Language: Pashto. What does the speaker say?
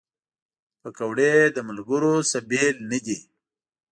پکورې له ملګرو نه بېل نه دي